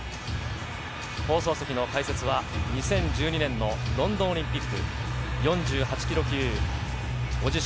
放送席の解説は２０１２年のロンドンリンピック４８ｋｇ級、ご自身